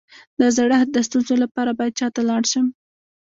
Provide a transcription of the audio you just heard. د زړښت د ستونزو لپاره باید چا ته لاړ شم؟